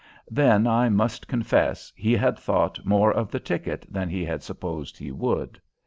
Then, I must confess, he had thought more of the ticket than he had supposed he would.